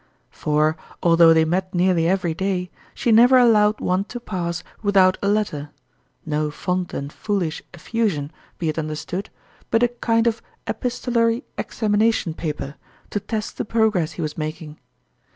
For, although they met nearly every day, she never allowed one to pass without a tourmalin's jfirst Cljeqwe. 31 letter no fond and foolish effusion, be it un derstood, but a kind of epistolary examination paper, to test the progress he was making.